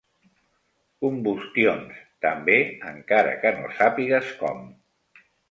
Combustions, també, encara que no sàpigues com.